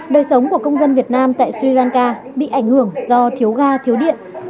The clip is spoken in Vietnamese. đời sống của công dân việt nam tại sri lanka bị ảnh hưởng do thiếu ga thiếu điện giá cả sinh hoạt tăng cao